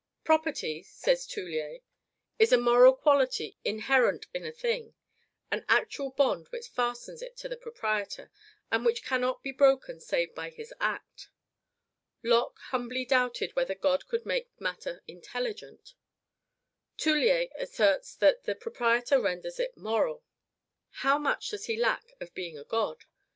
"Property," says Toullier, "is a MORAL QUALITY inherent in a thing; AN ACTUAL BOND which fastens it to the proprietor, and which cannot be broken save by his act." Locke humbly doubted whether God could make matter INTELLIGENT. Toullier asserts that the proprietor renders it MORAL. How much does he lack of being a God?